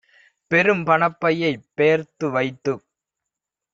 பெரும்பணப் பையைப் பெயர்த்து வைத்துக்